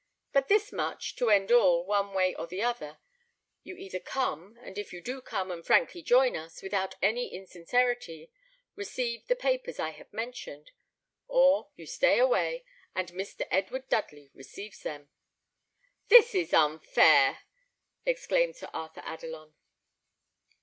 But thus much, to end all, one way or the other: you either come, and, if you do come and frankly join us, without any insincerity, receive the papers I have mentioned; or you stay away, and Mr. Edward Dudley receives them." "This is unfair!" exclaimed Sir Arthur Adelon.